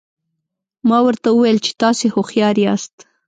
ما ورته وویل چې تاسي هوښیار یاست.